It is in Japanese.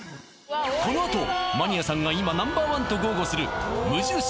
このあとマニアさんが今Ｎｏ．１と豪語する無印